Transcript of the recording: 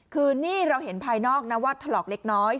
คือนี่เราเห็นภายนอกนะว่าถลอกเล็กน้อย